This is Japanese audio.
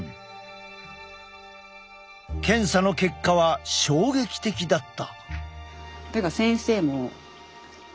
検査の結果は衝撃的だった。